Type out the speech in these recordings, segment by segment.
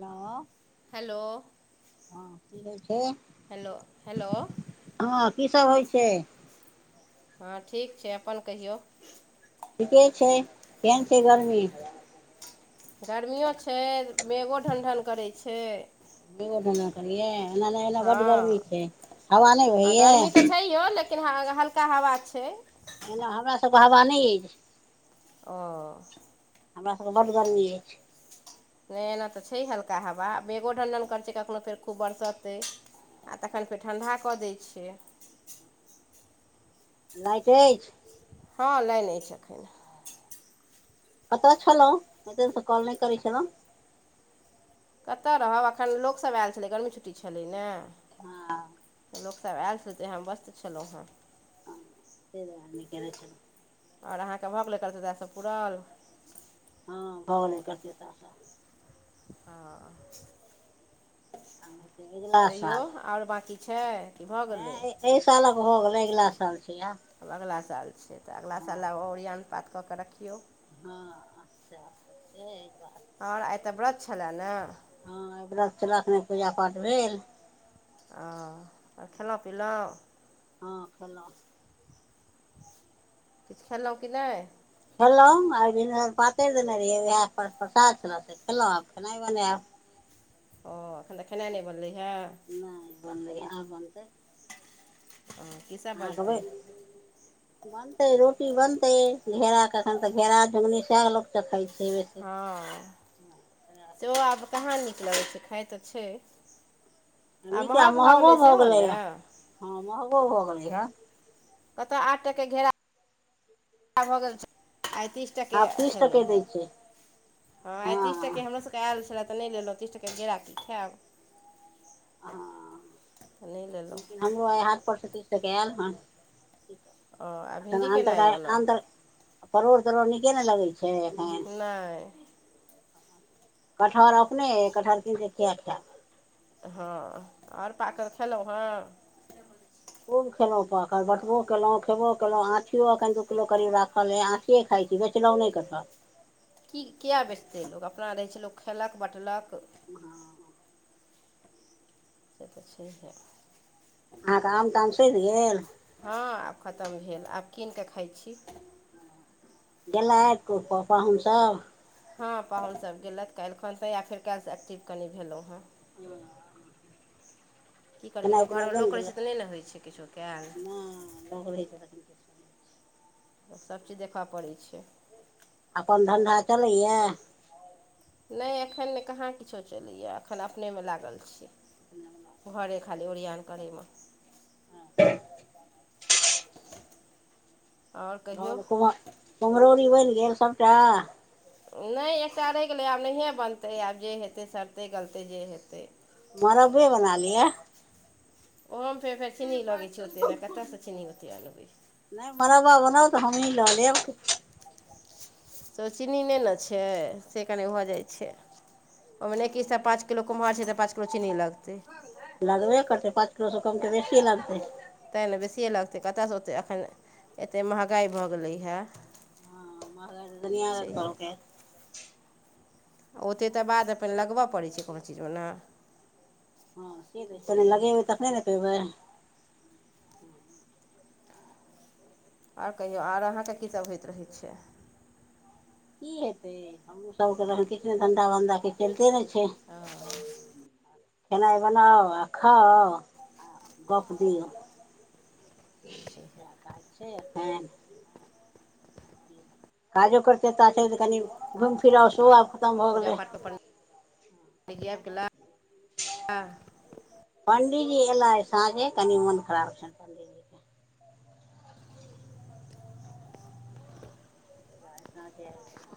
ह हेलो हँ की कह छै हेलो हेलो हँ की सब होइ छै हँ ठीक छै अपन कहियौ ठीके छै केहन छै गर्मी गर्मियो छै मेगो ढण्डन करै छै बेग ध कर ए नहि एना ब हँ गर्मी छै हव नहि भै हँ य गर्मी तऽ [unintelligible] छैहो हल्का हवा छै एना हमरा सबके हवानी अछि ओ हमरा सबके बड गर्मी अछि नहि एना तऽ छै हल्का हवा आ मेंगो डण्डन करै छै कखनहु फेर खूब बरसतै आ तखन फेर ठण्डा कऽ दैत छियै लाइट अछि हँ लाइन आछी एखन कतऽ छललौ ऐते दिन सँ कल नहि करै छल कतय रहब एखन लोकसभ आयल छलै गर्मी छुट्टी छलै ने हँ लोक सब आयल से जेह वस्त छलौ हेँ दर न केने छल ओर अहाँके भऽ गेलै कलतदासँ पूुरल हँ भव नहि कर द त ह आब हेतै अगिला तै साल ओर बाँकी छै की भऽ गेलै एहिइ सालक भ गेलै अगिला साल छ आ हमब अगिला साल छियै तऽ अगिला साल अरियान पात कऽ कऽ रखियौ हँ अच्छा छै बात ओर आइ तऽ व्रत छलए ने हँ एहिरतखने पूजा पाठ भेल ओ खेलहुँ पिलहुँ हँ खेलहुँ पट खा लौ कि नहि खेलहुँं पातरि देने रहियै वएह पास प्रसाद छल से खेलहुँ आब खेनाइ बनायब ओ एखन तऽ खेनाइ नहि बनलै हे ओ ह बन्द आ बन्दै ह कीस बै बोलतै बनतै रोटी बनतै घेरा कखन तऽ घेरा झुगनी स हँ सेहो आब कहाँ नीक लगै छै खाइ तऽ छै निक आ महगो भऽ गेलै ह हँ महगो भऽ गेले हे कतऽ आठ टाक घेरा भऽ गेल पैंतीस टके आब तीस छलै टके हे दै हँ छै हँ पंस ती टके हमरो सबके आयल छल तऽ नहि लेलहुँ तीस टके गेराकी खायब हँ त नहि लेलहुँ लेकिन हमरो आ ह परसेटेजके आयल हँ ओ आ एखन भिण्डी केना अइ अन ओना अन्त परोड़ तरोड़ नीके ने लगै छै नहि कटहर अपने कटहर किनिके खिया खा हँ आर पाकल खेलहुँ हेँ खूब खेलँ पकल बटबो केलहुँ खेबो केलहुँ आँठियो एखन दू किलो करीब राखले आँठी के खाइ छै बेचना नहि करब की किए बेचतै लोक अपना रहै छै लोक खयेलक बँटलक ह से तऽ छैहे अहाँके आम ताम सुझि गेल हँ आब खतम भेल आब कीन कऽ खाइत छी गेलथि कऽ पपहुन सब हँ पाहुनसभ गेलथि काल्हिखन तऽ या फेर काल्हिसँ एक्टिव कनि भेलहुँ हेँ की करतै खेनाइ लोक पिनाइ घरमे बनि लोक रहै गेलै छै तऽ नहि ने होइत छै किछो कयल ब हो छै नहि होइ छै। सभचीज देखऽ पड़ैत छै अपन धन्धा चलैया नहि अखन ने कहाँ किछो चलैया अखन अपने मे लागल छीयै घरे खाली एड़ियन करमे हँ आओर ह कहियौ ने कुम कुमरोर बैल गेल सबटा नहि एकटा रहि गेलै आब नहिए बनतै आब जे हेतै सटतै गलतै जे हेतै मरब्बे बना लियए ओहोमे फेर फेर चीनी लगैत छैै ओतेक ने कतयसँ चीन्नी ओतेक अ लगबै नै मरबा बनाउ तऽ हमहीँ लऽ लेब त चीनी नहि ने छै से कनि भऽ जाइत छै ओहिमे नहि किछ त पाँच किलो कुम्हर छै तऽ पाँच किलो चीनी लगतै लगबे करतै पाँच किलो सए कमकेऽ बेसीए लगतै तैँ ने बेसिए लगतै कतयसँ ओतेक एखन एतेक महँगाइ भऽ गेलैए हँ महगाइ तऽ दुनिया के छैह कहलकै ओते त बाद अपन लगब परे छै कोनो चीजमे नहि हँ से तऽ कने लगेबै तखने ने खेबै ओर कहियौ आर अहाँके कीत होइत रहै छै की हेते हमू सब त किछ ने धंधा बन्धा के खेलते रह सु खेनाइ बनाउ आ खाउ आ गप्प दियो छैहे सए कहैत छै एखे काजो करतै तऽ कनि घुमि फिरउ सेहो आओर आब खतम भऽ गेलै प पंडीजी एला साँझे कनी मन खराब छनि पंडीजी के ह त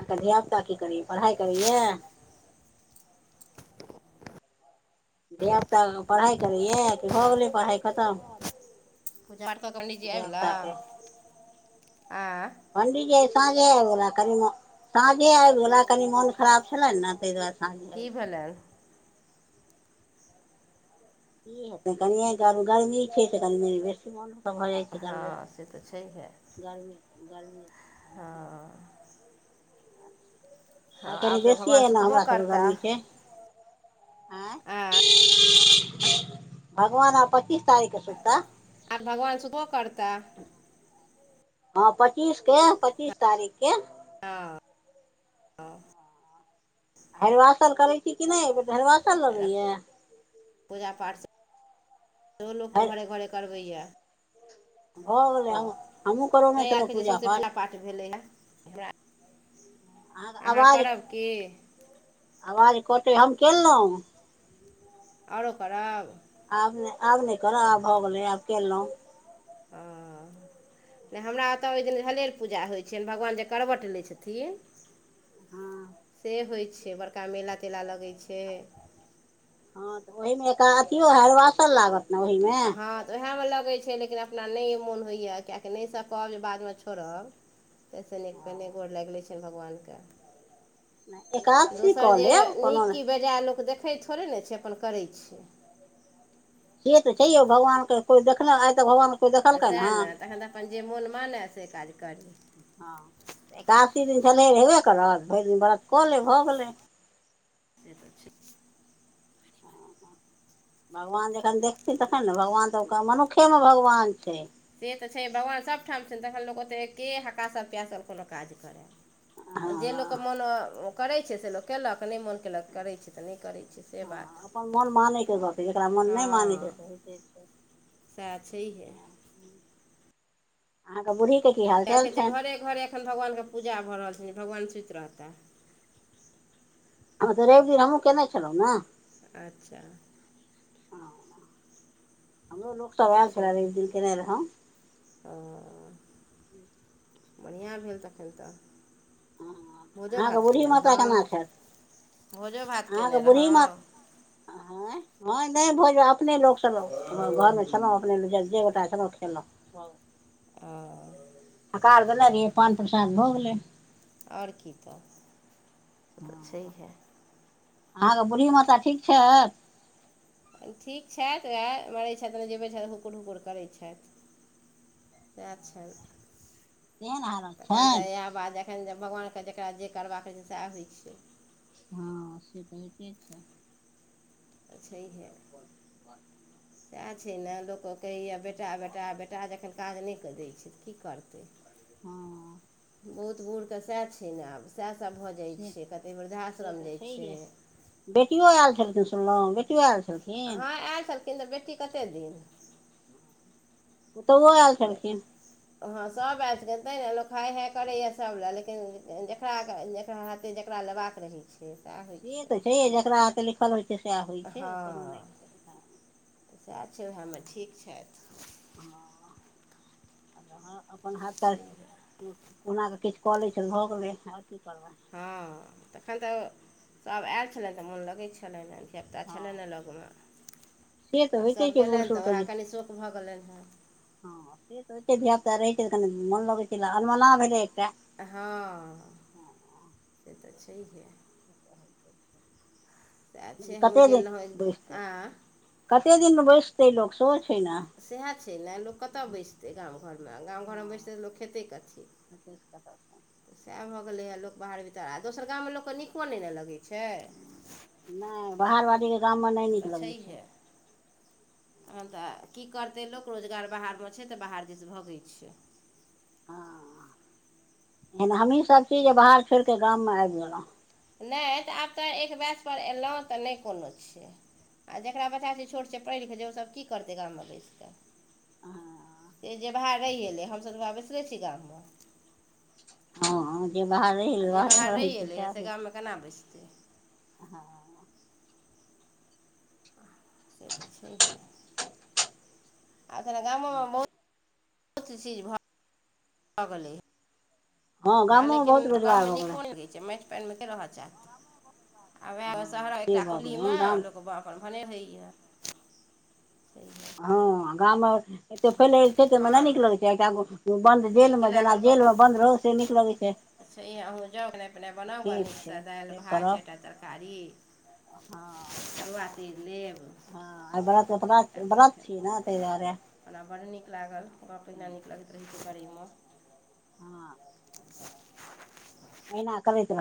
अहाँके धिया पुता की करैया पढ़ाइ करैयए धियापुता पढ़ाइ करैये कि भ गेलै पढ़ाइ खतम पूजा क कजी आय धियापुताके आँ पंडीजी साँझे आबि गेलला कनि साँझे आबि गेला कनी मोन खराब छले ने ताहि दुआरे साँझे आबि की गेला। भेल ई ह कनि गर्मी छै से गर्मी बेसी मन सब भऽ जाइ छै हँ गरमी से तऽ छैहे गरमी गरमी हँ हँ आ कनि आब तऽ बेसिए भगवान अय ने सुतबो हमरा सबके करता गर्मी छै आँ आ भगवान आ पच्चीस तारख सुतता आब भगवान सुतबो करताह हँ पच्चीस के पच्चीस तारीख के हँ हँ हरवासल करै छी कि नहि हरवासल तेना लगैया पूजा पाठ सेहो लोक हरि घरे घरे करबैए भऽ ओ गेलै, हमहूँ करौने ताहि छलहुँ आरके जे सौँसे पूजा पूजापाठ। पाठ भेलैए हमरा अहाँके अहाँ करब की आवाज कटैत छल, हम कहलहुँ। आओरो करब आब ने आब नहि कर आब भ गेलै आब केलहुँ आ नहि हमरा ओतऽ ओहि दिन हले पूजा होइ छनि भगवान जे करवट लै छथिन हँ से होइ छै बड़का मेला तेला लगै छै हँ तऽ ओहिमे एक अँठियो हरवाँसर लागत। ने ओहीमे हँ तऽ उएहमे लगैत छै लेकिन अपना नहि मोन होइए किआकि नहि सकब जे बादमे छोड़ब तस न पेने गोर लागले छनि भगवान के नहि एक दोसर जे नीक की बेजायए लोक देखैत थोड़े ने छै अपन करैत छै से तऽ छै यौ भगवान के कोइ देखल आइ तऽ भगवान के कोइ देखलकै सएह हँ ने तखन तऽ अपन जे मोन मानै से काज करी हँ एकासी दिन छलै हेबे करत भरि दिन व्रत कऽ ले भऽ गेलै से त छै भगवान जखन देखथिन तखन ने भगवान तऽ ओ मनुखेमे भगवान छै से तऽ छै, भगवान सबठाम छथि, तखन लोक ओतेक एक्के हक्कास-प्यासल भऽ कऽ कोनो काज करय। जे हँ लोकके मोन करैत छै से लोक कयलक नहि मोन कयलक करैत छै तऽ नहि करैत छै से हँ बात अपन मन मानयके गतै जकरा मन हँ नहि मानै छै तऽ होइते छै सएह छैहे। आ ग बरी कए कहै छै घरे घरे एखन भगवान के पूजा भऽ रहल छै भगवान सुत रहते हम ते रवि दिन हमहहुँ केने छलहुँ ने अच्छा हमरो लोक से तऽ आए छल, छैहे एक दिन केने रहौ। ओ बढ़िआँ भेल तखन तऽ भोजो अहाँके भात बूढ़ी कयने माता रहौ केना छथि भोजो भात कयने रहौ आँ हँ नहि, भोज अपने लोकसभ घरमे छलहुँ। अपने जे गोटा छलहुँ, खेलहुँ। आ आकार गल रए पान प्रसाद भ गेलै ओर की तब तऽ हँ छैहे अहाँके बुढ़ी माता ठीक छथि ठीक छथि उएह मरै छथि जेबै छथि हुकुर हुकुर करै छथि सएह छै केहन हालत तखन छनि तऽ इएह बात जखन जे भगवानके जकरा जे करबाकै छै सएह होइ छैै हँ से तऽ हेते छै तऽ छैहे छै ने लोक कहैया बेटा बेटा बेटा जखन काज नहिऽ दैत छैऽ की करतै हँ बहुत बूढ़के सएह छै ने आब सएह सभ भऽ जाइत से छै कतेक से वृद्धाश्रम तऽ जाइत छै छैहे बेटियो आयल छलखिन सुनलहुँ बेटियो आयल छलखिन हँ आयल छलखिन तऽ बेटी कते दिन ओतहु आयल छलखिन हँ सभ आब तै ने लोक हाय हाय करैए सभ लए लेकिन जेकरा जेकरा हाथ जेकरा लेबाक रही सह होइ से तऽ छै जकरा हाथे लिखल होइ छै सएह होइ छै ओ कोनो नहि हँ छै चछा अच्छ हममे ठीक छथि हँ आ अपन हाथ पैर छैहे कोना कऽ किछु कऽ लै छै भऽ गेलै आओर की करबै हँ तखन तऽ सब आयल छलनि तऽ मोन लगै छलनि सबटा छलै हँ न लगमे से तऽ आब होइते सब छै बूढ़ गेलन तऽ सूढ़के ओएह जे कनि शोक भऽ गेलन हँ सोचे धियापुता रहै छै तऽनि मोन लगै छै अनमना भेलै एकटा हँ से तऽ छैहे [unintelligible] सएह छै हमहूँ कते गेल दिन रहौँ बैसतै आ कते दिनमे बैसतै लोक सेहो छै ने सएह छै ने लोक कतय बैसतै गाम घरमे गाम घरमे बैसतै तऽ लोक खेतै कथी क छै सएह भऽ गेलैए लोक बाहर भीतर आ दोसर गाम मे लोक के नीको ने ने लगै छै नै बाहर बाड़ीके गाममे नहि से नीक लगैत छै हँ तऽ की करतै, लोक रोजगार बाहरमे छै तऽ बाहर जेसँ भगैत छै। हँ एहन हमही सब छी जे बाहर छोड़िकऽ गाममे आबि गेलहुँ नै तऽ आब तऽ एक बैच पर एलहुँ, तऽ नहि कोनो छै। आ जेकरा बच्चा बुची छोट छै पढ़ कऽ ओसभ की करतै गाम मे बैस कऽ आ से जे बाहर रहि गेलै हमसब बैसरे छी गाममे हँ जे बाहर आ रह जे बाहरे बाहर रहै रहि छै एलैए से सएब छै गाममे केना बचतै हँ से तऽ छैहे आखन गामोमे बहुत बहुत चीज भ भऽ गेलै ह हँ ह गामोमे लेकिन बहुत गाम रोजगार मे भऽ गेलै नीको ने लगै छै पान मे के रहऽ च आएह हँ शहर से एकटा भऽ कुल्ली गेलै हँ मे गाम लोकाप कभने होइए हँ गाम मे एते फैलय छै तमे नै हम नीक लगै [unintelligible] छैग बन्द नीक जेलमे जेना जेलमे बन्द रहौ से नीक लगै छै अच्छ अहूँ जाउ खेना पेना बनाउ ग ठीक छै नीकसँ दालि फेर भात करब चारिटा तरकारी हँ तरुआ तीज लेब हँ, बऽ बऽ ब्रथ नऽ तर। हमरा बड्ड नीक लागल गप, पहिने नीक लगैत रहै छै करैमे। ज [unintelligible] अहिना करैत रह